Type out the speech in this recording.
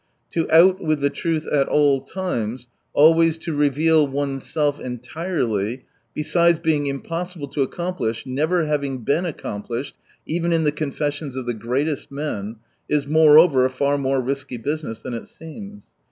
To out with the truth at all times, always to revfeal oneself entirely, besides being impossible to accomplish, never having been accom plished even in the confessions of the greatest men, is moreover a far more risky business than it seems.